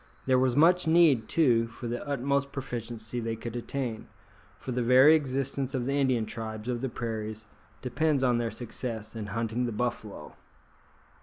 There was much need, too, for the utmost proficiency they could attain, for the very existence of the Indian tribes of the prairies depends on their success in hunting the buffalo.